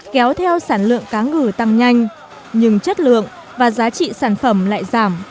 kéo theo sản lượng cá ngừ tăng nhanh nhưng chất lượng và giá trị sản phẩm lại giảm